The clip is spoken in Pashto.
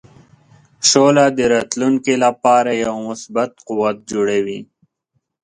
سوله د راتلونکې لپاره یو مثبت قوت جوړوي.